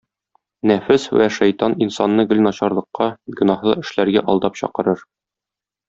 Нәфес вә шайтан инсанны гел начарлыкка, гөнаһлы эшләргә алдап чакырыр.